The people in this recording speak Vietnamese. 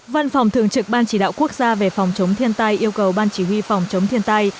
văn phòng thường trực ban chỉ đạo quốc gia về phòng chống thiên tai yêu cầu ban chỉ huy phòng chống thiên tai